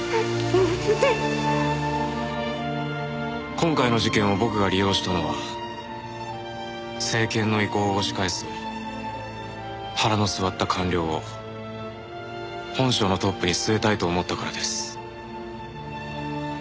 今回の事件を僕が利用したのは政権の意向を押し返す腹の据わった官僚を本省のトップに据えたいと思ったからです。